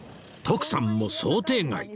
徳さんも想定外。